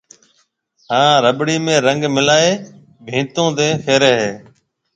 ھان رٻڙِي ۾ رنگ ملائيَ ڀينتون تيَ ڦيرَي ھيََََ